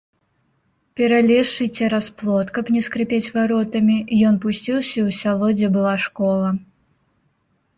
Пералезшы цераз плот, каб не скрыпець варотамі, ён пусціўся ў сяло, дзе была школа.